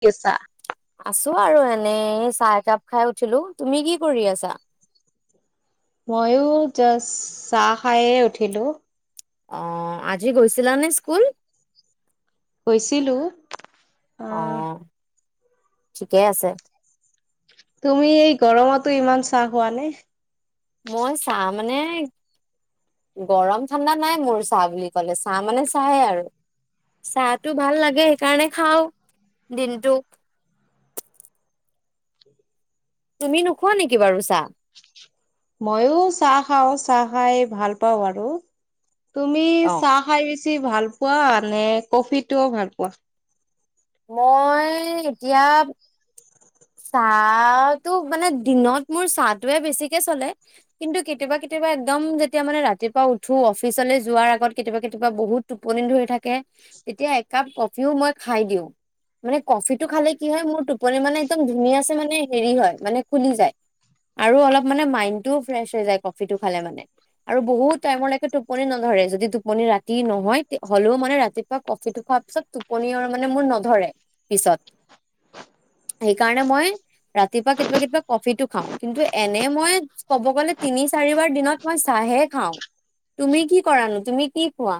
কেছা আছো আৰু এনেই চাহ একাপ খাই উঠিলো তুমি কি কৰি আছা? ময়ো জাষ্ট চাহ খায়ে উঠিলো। অ আজি গৈছিলানে স্কুল? গৈছিলো। অ আঁহ ঠিকেই আছে তুমি এই গৰমতো ইমান চাঁহ খোৱা নে মই চাহ মানে গৰম ঠাণ্ডা নাই মোৰ চাহ বুলি কলে চাহ মানে চাহে আৰু চাহটো ভাল লাগে সেইকাৰণে খাঁও দিনটো তুমি নোখোৱা নেকি বাৰু চাঁহ ময়ো চাহ খাওঁ চাহ খাই ভাল পাওঁ আৰু তুমি অ চাহা ভাল পোৱা নে কফিটোও ভাল পোৱা মই এতিয়া চাহটো মানে দিনত মোৰ চাহটোৱে বেছিকে চলে কিন্তু কেতিয়াবা কেতিয়াবা একদম যেতিয়া মানে ৰাতিপুৱা উঠো অফিচলৈ যোৱাৰ আগত কেতিয়াবা কেতিয়াবা বহুত টোপনি ধৰি থাকে তেতিয়া একাপ কফিও মই খাই দিওঁ মানে কফিটো খালে কি হয় মোৰ টোপনি মানে একম ধুনীয়া মানে হেৰি হয় মানে খুলি যায় আৰু অলপ মানে মাইডটো ফ্ৰেচ হৈ যায় কফিটো খালে মানে আৰু বহুত টাইমলৈকে টোপনি নধৰে যদি টোপনি ৰাতি নহয় হ'লেও মানে ৰাতিপুৱা কফিটো খোৱাৰ পিছত টোপনি আৰু মানে মোৰ নধৰে পিছত সেইকাৰণে মই ৰাতিপুৱা কেতিয়াবা কেতিয়াবা কফিটো খাওঁ কিন্তু এনে মই কব গলে তিনি চাৰিবাৰ দিনত মই চাহে খাওঁ তুমি কি কৰানো তুমি কি খোৱা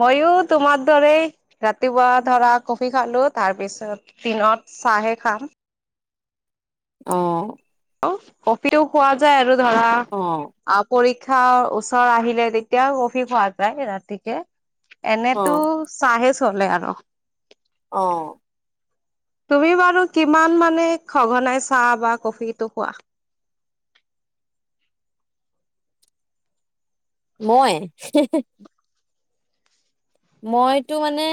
মই ও তোমাৰ দৰে ৰাতিপুৱা ধৰা কফি খালো তাৰপিছত দিনত চাহে খাম অঁ অঁ কফিও খোৱা যায় আৰু ধৰা অ অঁ পৰীক্ষাৰ খাঁও ওচৰ আহিলে তেতিয়া কফি খোৱা যায় ৰাতিকে অ এনেতো চাহে চলে আৰু অঁ তুমি বাৰু কিমান মানে ঘনাই চাহ বা কফিটো খোৱা মই মইতো মানে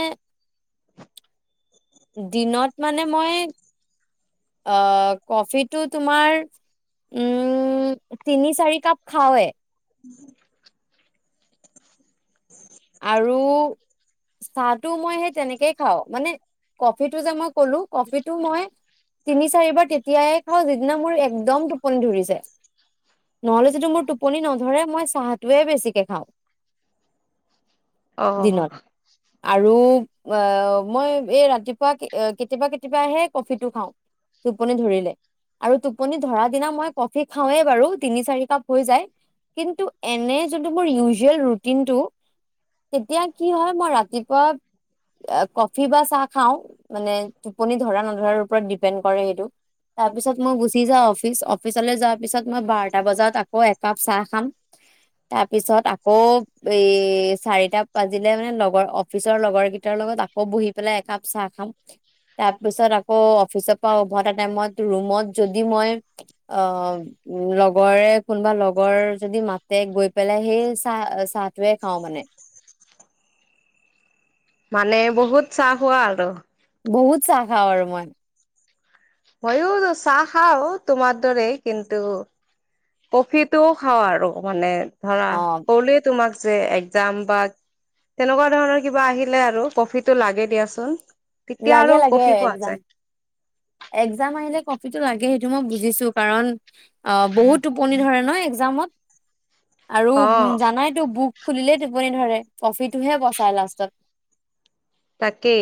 দিনত মানে মই অঁ কফিটো তোমাৰ উম তিনি চাৰি কাপ খাওঁৱে উম আৰু চাহটো মই সেই তেনেকৈ খাওঁ মানে কফিটো যে মই ক'লো কফিটো মই তিনি চাৰিবাৰ তেতিয়াই খাওঁ যিদিনা মোৰ একদম টোপনি ধৰিছে নহলে যদিটো মোৰ টোপনি নধৰে মই চাহটোৱে বেছিকৈ খাওঁ অঁ দিনত আৰু মই এই ৰাতিপুৱা কেতিয়াবা কেতিয়াবাহে কফিটো খাওঁ টোপনি ধৰিলে আৰু টোপনি ধৰা দিনা মই কফি খাওঁৱেই বাৰু তিনি চাৰি কাপ হৈ যায় কিন্তু এনে যোনটো মোৰ ইউজুৱেল ৰুটিনটো তেতিয়া কি হয় মই ৰাতিপুৱা কফি বা চাহ খাওঁ মানে টোপনি ধৰা নধৰাৰ ওপৰত ডিপেণ্ড কৰে সেইটো তাৰপিছত মই গুচি যাওঁ অফিচ অফিচলৈ যোৱাৰ পিছত মই বাৰটা বজাত আকৌ একাপ চাহ খাম তাৰপিছত আকৌ এই চাৰিটা বাজিলে মানে লগৰ অফিচৰ লগৰ কেইটাৰ লগত আকৌ বহি পেলাই একাপ চাহ খাম তাৰ পিছত আকৌ অফিচৰ পৰা উভতা টাইমত ৰুমত যদি মই অ লগৰে কোনোবা লগৰ যদি মাতে গৈ পেলাই সেই চাহ চাহটোৱে খাওঁ মানে মানে বহুত চাহ হোৱা আৰু বহুত চাঁহ খাওঁ আৰু মই মই ও চাহ খাঁও তোমাৰ দৰে কিন্তু কফিটোও খাওঁ আৰু মানে ধৰা অ তোমাক একজাম বা তেনেকুৱা ধৰণৰ কিবা আহিলে আৰু কফি টো লাগে দিয়াচোন তেতিয়া আৰু লাগে লাগে কফি খোৱা একজাম যায় একজাম আহিলে কফিটো লাগে সেইটো মই বুজিছো কাৰণ অঁ বহুত টোপনি ধৰে ন একজামত আৰু অ' জানাইতো বুক খুলিলেই টোপনি ধৰে কফিটোহে বচায় লাষ্টত তাকে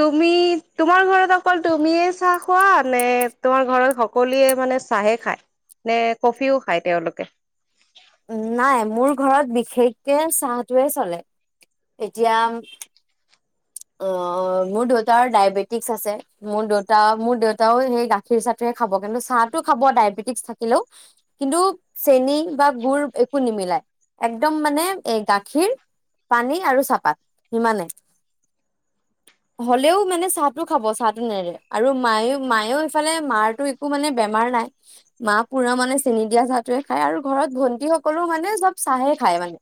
তুমি তোমাৰ ঘৰত অকল তুমিয় চাহ খোৱা নে তোমাৰ ঘৰত সকলোৱে মানে চাহে খায় নে কফিও খায় তেওঁলোকে নাই মোৰ ঘৰত বিশেষকে চাহটোৱে চলে এতিয়া আহ মোৰ দেউতাৰ ডায়েবেটিকছ আছে মোৰ দেউতা মোৰ দেউতাও সেই গাখীৰ চাহটোহে খাব কিন্তু চাহটো খাব ডায়বেটিকছ থাকিলেও কিন্তু চেনী বা গুুৰ একো নিমিলাই একদম মানে গাখীৰ পানী আৰু চাহপাত সিমানে হ'লেও মানে চাহটো খাব চাহটো নেৰে আৰু মায়ে মায়েও এইফালে মাৰতো একো মানে বেমাৰ নাই মা পুৰা মানে চেনি দিয়া চাহটোৱে খায় আৰু ঘৰত ভন্টি সকলেও মানে চব চাহে খায় মানে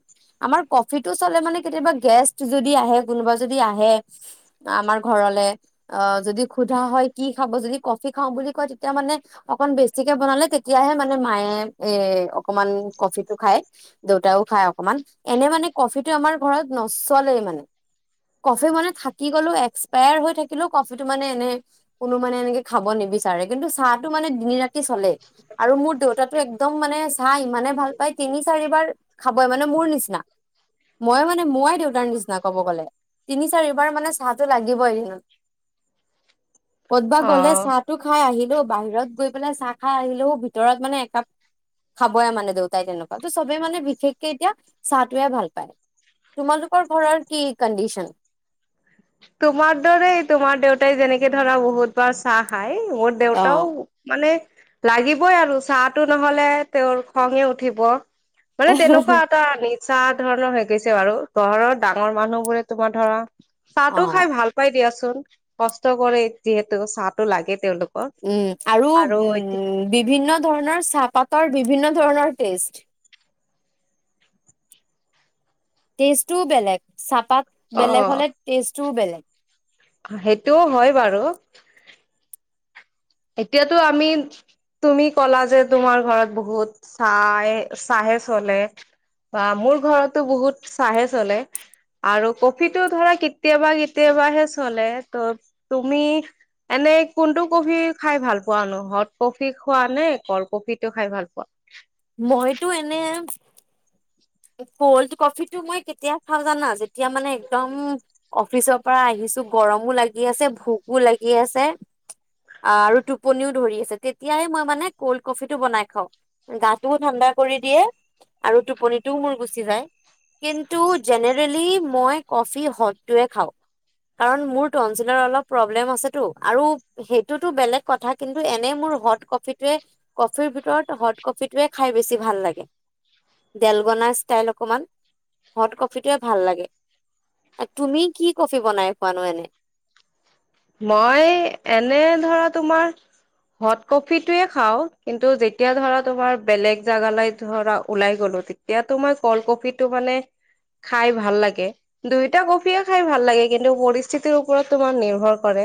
আমাৰ কফিটো চলে মানে কেতিয়াবা গেষ্ট যদি আহে কোনোবা যদি আহে আমাৰ ঘৰলে অ যদি সোধা হয় কি খাব যদি কফি খাও বুলি কয় তেতিয়া মানে অকন বেছিকে বনালে তেতিয়াহে মানে মায়ে এ অকমান কফি টো খায় দেউতাও খায় অকমান এনে মানে কফিটো আমাৰ ঘৰত নচলেই মানে কফি মানে এক্সপায়াৰ হৈ থাকিলে কফিটো মানে এনে কোনো মানে এনেকে খাব নিবিচাৰে কিন্তু চাহটো মানে দিনি ৰাতি চলেই আৰু মোৰ দেউতাটো একদম মানে চাহ ইমানে ভাল পায় তিনি চাৰিবাৰ খাবই মানে মোৰ নিচিনা মই মানে মই দেউতাৰ নিচিনা কব গ'লে তিনি চাৰিবাৰ তোমাৰ মানে চাহটো লাগিব এদিনত ক'তব গ'লে অ'। চাহ টো খাই আহিল বাহিৰত গৈ পেলাই চাহ খাই আহিলেও ভিতৰত মানে একাপ খাবয়ে মানে দেউতাই তেনেকুৱা ত চবে মানে বিশেষকে এতিয়া চাহটোৱে ভাল পায় তোমালোকৰ ঘৰৰ কি কণ্ডিশন তোমাৰ দৰে তোমাৰ দেউতাই যেনেকে ধৰা বহুত বাৰ চাহ খাই মোৰ দেউতাও মানে লাগিবই আৰু চাহটো নহলে তেওঁৰ খঙে উঠিব মানে অ তেনেকুৱা এটা চ্ চাহ ধৰণৰ হৈ গৈছে বাৰু ঘৰৰ ডাঙৰ মানুহ বোৰে তোমাৰ ধৰা চাহো অ খাই ভাল পাই দিয়া কষ্ট কৰে যিহেতু চাহটো লাগে তেওঁলোক উম', আৰু উম বিভিন্ন ধৰণৰ চাহপাতৰ বিভিন্ন ধৰণৰ টেষ্ট। টেষ্টটোও বেলেগ, চাপ পাত বেলেগ অ' হ'লে, টেষ্ট ও বেলেগ [inaudible] সেইটোও হয় বাৰু এতিয়াতো আমি, তুমি ক'লা যে তোমাৰ ঘৰত বহুত চাহ চাহে চলে, বা মোৰ ঘৰতো বহুত চাহে চলে, আৰু কফিটো ধৰা কেতিয়াবা কেতিয়াবাহে চলে, ত' তুমি এনে কোনটো কফি খাই ভাল পোৱা নো, হট কফি খোৱা নে কল্ড কফিত খাই ভাল পোৱা? মইতো এনে কল্ড কফিটো মই কেতিয়া খাওঁ জানা, যেতিয়া মানে একদম অফিচৰ পৰা আহিছো গৰমো লাগি আছে, ভোকো লাগি আছে, আৰু টোপনিও ধৰি আছে, তেতিয়াই মই মানে কল্ড কফিটো বনাই খাওঁ, গাটোও ঠাণ্ডা কৰি দিয়ে আৰু টোপনি টো মোৰ গুচি যায়, কিন্তু জেনেৰেলি মই ক'ফি হতটোয়ে খাওঁ। কাৰণ মোৰ তনচিলৰ অলপ প্ৰব্লেম আছে টো, আৰু সেইটো টো বেলেগ কথা কিন্তু এনে মোৰ হত ক'ফিটোৱে, ক'ফিৰ ভিতৰত হত ক'ফিটোৱে খাই বেছি ভাল লাগে। ডেলগনা ষ্টাইল অকমান, হট ক'ফিটোৱে ভাল লাগে, তুমি কি ক'ফি বনাই খোৱানো এনে? মই এনে ধৰা তোমাৰ, হট ক'ফিটোয়ে খাও কিন্তু যেতিয়া ধৰা তোমাৰ বেলেগ জেগালৈ ধৰা ওলাই গ'লো তেতিয়াতো মই কল্ড ক'ফিটো মানে খাই ভাল লাগে, দুয়োটা ক'ফিয়ে খাই ভাল লাগে, কিন্তু পৰিস্থিতিৰ ওপৰত তোমাৰ নিৰ্ভৰ কৰে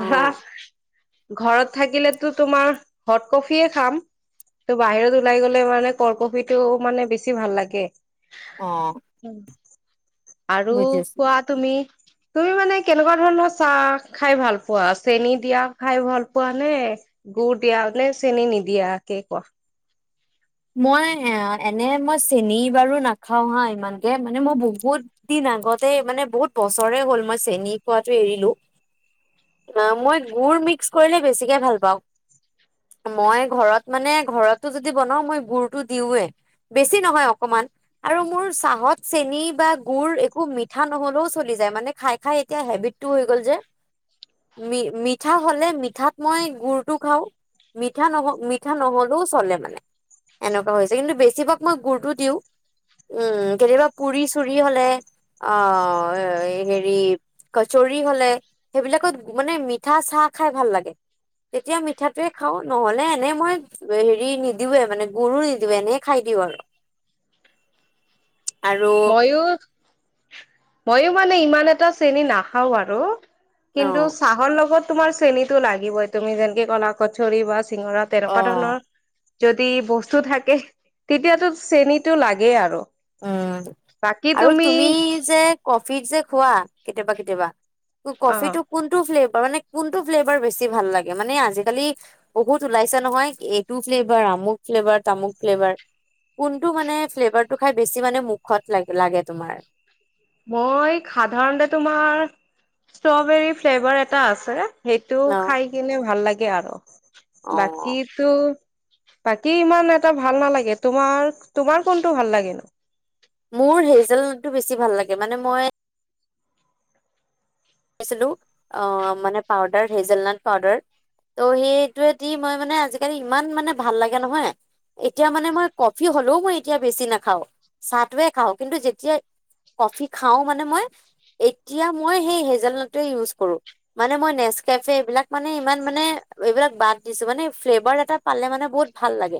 অ ঘৰত থাকিলেতো তোমাৰ, হট কফিয়ে খাম, ত বাহিৰত ওলাই গলে মানে ক'ল্ড কফি টো মানে বেছি ভাল লাগে। অ আৰু বুজিছো কোৱা তুমি তুমি মানে কেনেকুৱা ধৰণৰ চাহ খাই ভাল পোৱা, চেনী দিয়া খাই ভাল পোৱা নে, গুড় দিয়া নে, চেনী নিদিয়াকেই কোৱা মই এনে মই চেনী বাৰু নাখাও হা ইমানকে, মানে মই বহুত দিন আগতে মানে বহুত বছৰে হ'ল, মই চেন খোৱাটো এৰিলো, অ', মই গুৰ মিক্স কৰিলে বেছিকে ভাল পাওঁ, মই ঘৰত মানে ঘৰতো যদি বনাও মই গুৰটো দিওঁৱে, বেছি নহয় অকমান, আৰু মোৰ চাহত চেনী বা গুড় একো মিঠা নহ'লেও চলি যায়, মানে খাই, খাই এতিয়া হেবিটটো হৈ গ'ল যে, মি মিঠা হ'লে মিঠাত মই গুৰটো খাওঁ, মিঠা ন'হলে মিঠা নহ'লেও চলে মানে। এনেকুৱা হৈছে, কিন্তু বেছিভাগ মই গুৰটো দিওঁ। উম', কেতিয়াবা পুৰি চুৰি হলে, অ হেৰি কচুৰি হ'লে, সেইবিলাকত মানে, মিঠা চাহ খাই ভাল লাগে, তেতিয়া মিঠাটোৱে খাওঁ, নহ'লে এনেই মই হেৰি নিদিওঁৱে মানে গুৰো নিদিও, এনেই খাই দিওঁ আৰু। আৰু ময়ো, ময়ো মানে ইমান এটা চেনী নাখাওঁ আৰু কিন্তু অ', চাহৰ লগত তোমাৰ চেনীটো লাগিবই, তুমি যেনেকে ক'লা কচৰি বা চিঙৰা তেনেকুৱা অ', ধৰণৰ যদি বস্তু থাকে, তেতিয়াতো চেনীটো লাগে আৰু। উম আৰু তুমি যে ক ফিট যে খোৱা কেতিয়াবা কেতিয়াবা অ ক'ফিটো কোনটো ফ্লেভ তাৰমানে, কোনতো ফ্লেভাৰ বেছি ভাল লাগে, মানে আজিকালি বহুত উলাইছে নহয়, এইটো ফ্লেভাৰ, আমোক ফ্লেভাৰ, তামোক ফ্লেভাৰ, কোনটো মানে ফ্লেভাৰটো খাই বেছি মানে মুখত লাগ লাগে তোমাৰ মই সাধাৰণতে তোমাৰ, ষ্ট্ৰবেৰী ফ্লেভাৰ এটা আছে সেইটোও ন খাই কিনে ভাল লাগে গে আৰু। অ', বাকীটো বাকী ইমান এটা ভাল নালাগে, তোমাৰ তোমাৰ কোনটো ভাল লাগে নো? মোৰ হেইজেলটো বেছি ভাল লাগে, মানে মই ছিলো অ, মানে পাউদাৰ হেজেলনাট পাউদাৰ, ত সেইটোৱেদি মই মানে আজিকালি ইমান মানে ভাল লাগে নহয়, এতিয়া মানে মই ক'ফি হলেও মই এতিয়া বেছি নাখাওঁ, চাহটোৱে খাওঁ কিন্তু যেতিয়া কফি খাওঁ মানে মই, এতিয়া মই সেই হেজ হেজেল নাটটোৱে ইউজ কৰোঁ মানে মই নেস্কেফে এইলাক মানে ইমান মানে এইবিলাক বাদ দিছোঁ মানে ফ্লেভাৰ এটা পালে মানে বহুত ভাল লাগে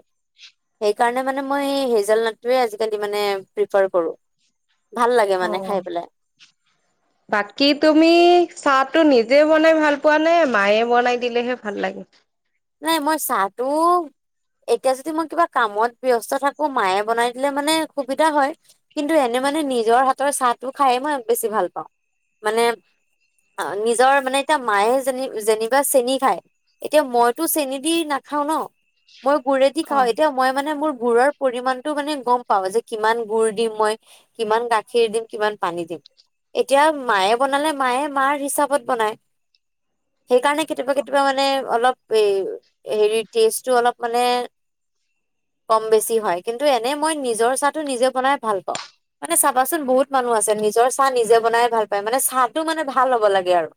সেইকাৰণে মানে মই হেজেল নাটটোৱে আজিকালি মানে প্ৰিফাৰ কৰো ভাল লাগে অ মানে খাই পেলাই বাকী তুমি চাহ টো নিজে বনাই ভাল পোৱা নে মায়ে বনাই দিলেহে ভাল লাগে নাই মই চাহটো এতিয়া যদি মই কিবা কামত ব্যস্ত থাকো মায়ে বনাই দিলে মানে সুবিধা হয় কিন্তু এনে মানে নিজৰ হাতৰ চাহটো খাই মই বেছি ভাল পাওঁ মানে নিজৰ মানে এতিয়া মায়ে যে যেনিবা চেনি খায় এতিয়া মই তো চেনি দি নাখাও ন মই গুৰেদি অ খাওঁ এতিয়া মই মানে মোৰ গুড়ৰ পৰিমানণটো মানে গম পাও যে কিমান গুড় দিম মই কিমান গাখীৰ দিম কিমান পানী দিম এতিয়া মায়ে বনালে মায়ে মাৰ হিচাপত বনায় সেইকাৰণে কেতিয়াবা কেতিয়াবা মানে অলপ এই হেৰিৰ টেষ্টটো অলপ মানে কম বেছি হয় কিন্তু এনে মই নিজৰ চাহটো নিজে বনাই ভাল পাওঁ মানে চাবাচোন বহুত মানুহ আছে নিজৰ চাহ নিজে বনাই ভাল পায় মানে চাহটো মানে ভাল হ'ব লাগে আৰু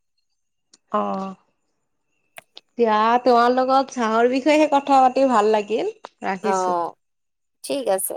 অ এতিয়া তোমাৰ লগত চাহৰ বিষয়েহে কথা পাতি ভাল লাগিল অ ৰাখিছো ঠিক আছে‌